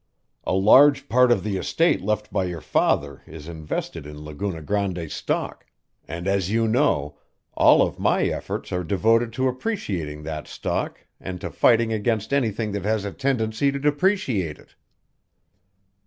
A large part of the estate left by your father is invested in Laguna Grande stock, and as you know, all of my efforts are devoted to appreciating that stock and to fighting against anything that has a tendency to depreciate it."